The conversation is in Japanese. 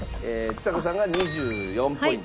ちさ子さんが２４ポイント。